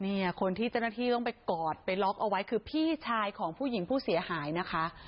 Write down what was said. เนี่ยคนที่เจ้าหน้าที่ต้องไปกอดไปล็อกเอาไว้คือพี่ชายของผู้หญิงผู้เสียหายนะคะ